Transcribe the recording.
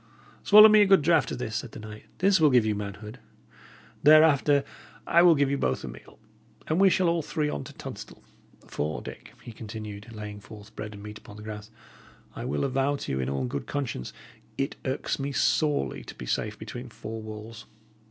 "Swallow me a good draught of this," said the knight. "This will give you manhood. Thereafter, I will give you both a meal, and we shall all three on to Tunstall. For, Dick," he continued, laying forth bread and meat upon the grass, "I will avow to you, in all good conscience, it irks me sorely to be safe between four walls.